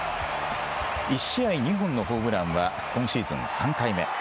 １試合２本のホームランは今シーズン３回目。